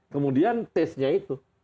kemudian taste nya itu